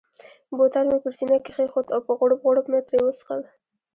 بوتل مې پر سینه کښېښود او په غوړپ غوړپ مې ترې څښل.